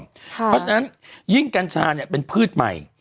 เพราะฉะนั้นยิ่งกัญชาเป็นพืชใหม่